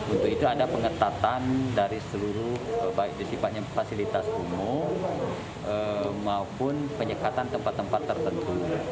untuk itu ada pengetatan dari seluruh baik disifatnya fasilitas umum maupun penyekatan tempat tempat tertentu